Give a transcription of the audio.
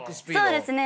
そうですね。